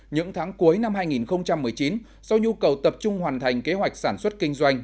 những tháng cuối năm hai nghìn một mươi chín do nhu cầu tập trung hoàn thành kế hoạch sản xuất kinh doanh